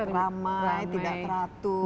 ramai tidak teratur